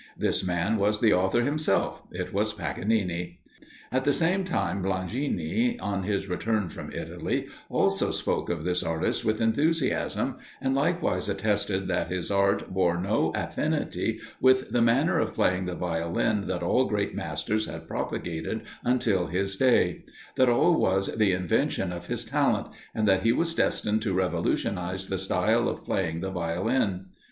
This man was the author himself it was Paganini. At the same time, Blangini, on his return from Italy, also spoke of this artist with enthusiasm, and likewise attested that his art bore no affinity with the manner of playing the Violin that all great masters had propagated until his day; that all was the invention of his talent, and that he was destined to revolutionize the style of playing the Violin.